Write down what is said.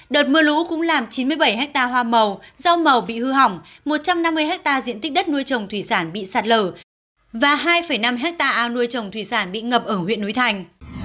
đợt mưa lũ cũng làm chín mươi bảy ha hoa màu rau màu bị hư hỏng một trăm năm mươi hectare diện tích đất nuôi trồng thủy sản bị sạt lở và hai năm hectare ao nuôi trồng thủy sản bị ngập ở huyện núi thành